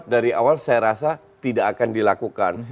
empat dua empat dari awal saya rasa tidak akan dilakukan